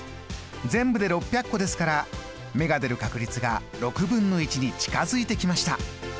全部で６００個ですから目が出る確率が６分の１に近づいてきました。